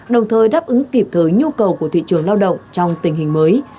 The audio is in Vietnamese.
đồng thời đáp ứng kịp thời nhu cầu của thị trường lao động trong tình hình mới